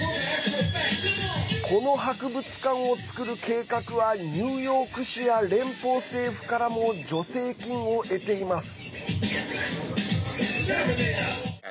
この博物館を作る計画はニューヨーク市や連邦政府からも助成金を得ています。